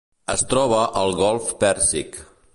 Es troba al golf Pèrsic.